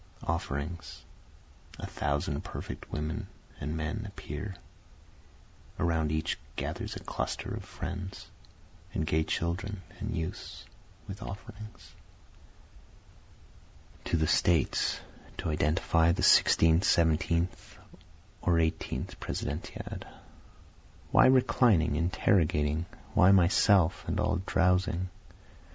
Offerings A thousand perfect men and women appear, Around each gathers a cluster of friends, and gay children and youths, with offerings. To The States [To Identify the 16th, 17th, or 18th Presidentiad] Why reclining, interrogating? why myself and all drowsing?